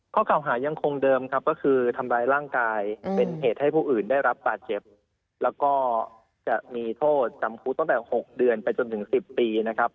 เก่าหายังคงเดิมครับก็คือทำร้ายร่างกายเป็นเหตุให้ผู้อื่นได้รับบาดเจ็บแล้วก็จะมีโทษจำคุกตั้งแต่๖เดือนไปจนถึง๑๐ปีนะครับ